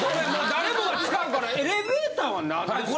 誰もが使うからエレベーターはなんですか？